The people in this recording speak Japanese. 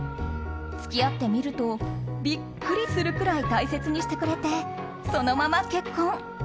付き合ってみるとビックリするくらい大切にしてくれてそのまま結婚！